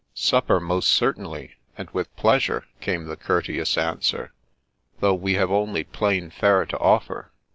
" Supper, most certainly, and with pleasure," came the courteous answer, " though we have only plain fare to offer.